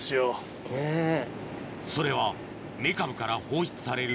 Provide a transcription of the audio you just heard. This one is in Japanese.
それはメカブから放出される